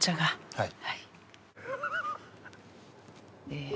はい。